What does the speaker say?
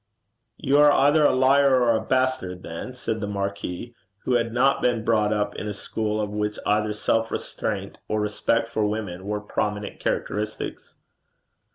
'You are either a liar or a bastard, then,' said the marquis, who had not been brought up in a school of which either self restraint or respect for women were prominent characteristics.